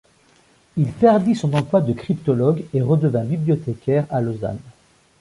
Il perdit son emploi de cryptologue et redevint bibliothécaire à Lausanne.